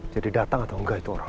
jadi datang atau enggak itu orang